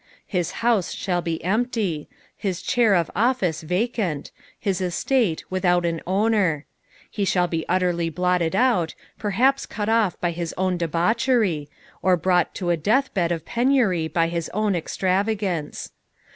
His house shall be empty, his chair of oiSce vacant, jiis estate without an owner ; he shall bo utterly blotted out, perhaps cut off by his own debauchery, or brought to a deathbed of penury by bis own extravagance.